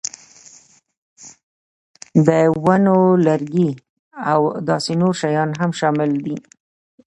د ونو لرګي او داسې نور شیان هم شامل دي.